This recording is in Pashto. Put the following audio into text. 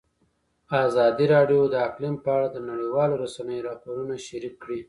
ازادي راډیو د اقلیم په اړه د نړیوالو رسنیو راپورونه شریک کړي.